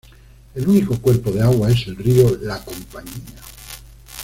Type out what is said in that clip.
El único cuerpo de agua es el río La Compañía.